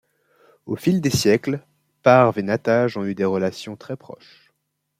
Au fil des siècles, Parves et Nattages ont eu des relations très proches.